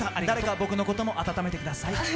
誰か、僕のことも温めてください。